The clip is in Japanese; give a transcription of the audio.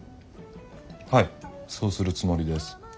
はいそうするつもりです。